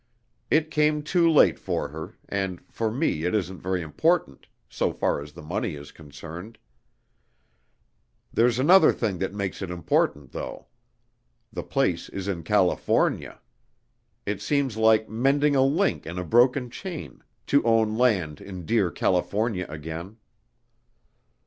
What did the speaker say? It came too late for her, and for me it isn't very important, so far as the money is concerned. There's another thing that makes it important, though. The place is in California! It seems like mending a link in a broken chain, to own land in dear California again.